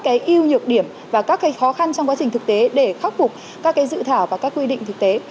các cái yêu nhược điểm và các cái khó khăn trong quá trình thực tế để khắc phục các cái dự thảo và các quy định thực tế